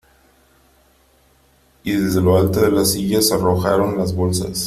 y desde lo alto de las sillas arrojaron las bolsas .